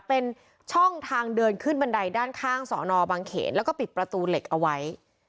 เป็นช่องทางเดินขึ้นบันไดด้านข้างสอนอบางเขนแล้วก็ปิดประตูเหล็กเอาไว้